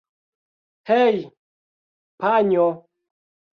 Hej, panjo!